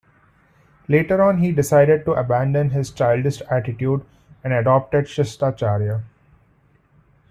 Later on he decided to abandon his childish attitude and adopted shistacharya.